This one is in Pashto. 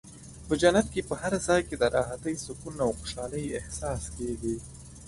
په جنت کې په هر ځای کې د راحتۍ، سکون او خوشحالۍ احساس کېږي.